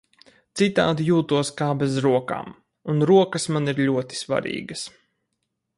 Citādi jūtos kā bez rokām. Un rokas man ir ļoti svarīgas.